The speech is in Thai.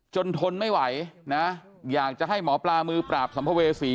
ทนไม่ไหวนะอยากจะให้หมอปลามือปราบสัมภเวษี